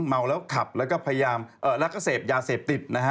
เมาแล้วขับแล้วก็เสพยาเสพติด